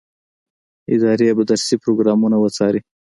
ادارې به درسي پروګرامونه وڅاري.